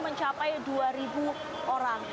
mencapai dua orang